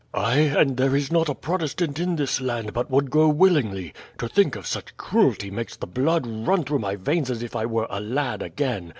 "Ay, and there is not a Protestant in this land but would go willingly. To think of such cruelty makes the blood run through my veins as if I were a lad again.